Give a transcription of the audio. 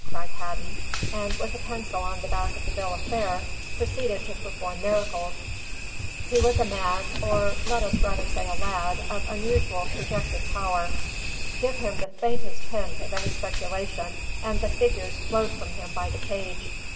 cried Hadden, and with a pencil on the back of the bill of fare proceeded to perform miracles. He was a man, or let us rather say a lad, of unusual projective power. Give him the faintest hint of any speculation, and the figures flowed from him by the page.